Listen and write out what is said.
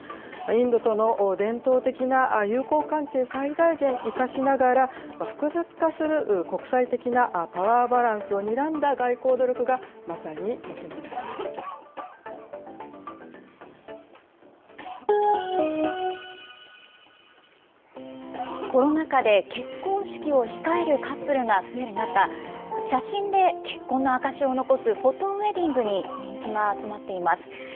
インドとの伝統的な友好関係、最大限生かしながら、複雑化する国際的なパワーバランスをにらんだ外交努力がまさに求コロナ禍で、結婚式を控えるカップルが増える中、写真で結婚の証しを残すフォトウエディングに人気が集まっています。